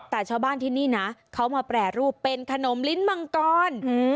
แต่ชาวบ้านที่นี่นะเขามาแปรรูปเป็นขนมลิ้นมังกร